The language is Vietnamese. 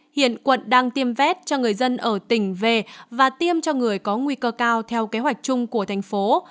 hiện quận đang tiêm vét cho người dân ở tỉnh về và tiêm cho người có nguy cơ cao theo kế hoạch chung của thành phố